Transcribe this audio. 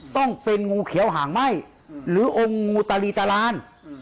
ต้องเป็นงูเขียวหางไหม้หรือองค์งูตาลีตาราน